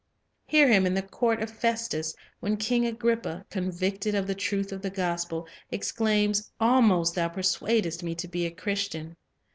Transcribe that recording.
Hear him in the court of Fcstus, when King Agrippa, convicted of the truth of the gospel, exclaims, "Almost thou persuadest me "to be a Christian."